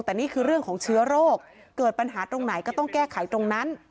แต่นี่คือเรื่องของเชื้อโรคเกิดปัญหาตรงไหนก็ต้องแก้ไขตรงนั้น